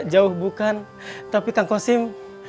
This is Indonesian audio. jauh bukan tapi kang kosim